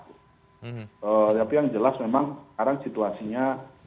tapi yang jelas memang sekarang situasinya